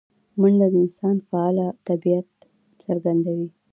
منډه د انسان فعاله طبیعت څرګندوي